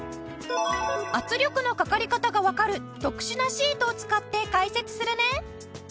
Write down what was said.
圧力のかかり方がわかる特殊なシートを使って解説するね。